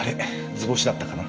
図星だったかな？